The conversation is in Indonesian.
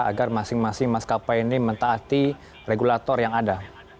agar masing masing maskapai ini mentaati regulator yang ada